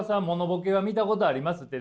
モノボケは見たことあります？